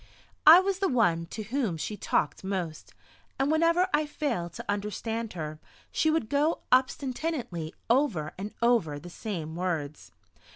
I was the one to whom she talked most, and whenever I failed to understand her she would go obstinately over and over the same words.